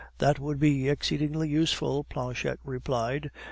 "That would be exceedingly useful," Planchette replied.